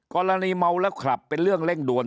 กรณีเมาแล้วขับเป็นเรื่องเร่งด่วน